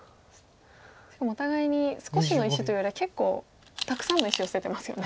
しかもお互いに少しの石というよりは結構たくさんの石を捨ててますよね。